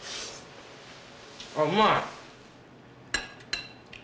あっうまい！